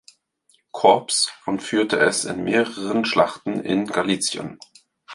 Corps und führte es in mehreren Schlachten in Galizien.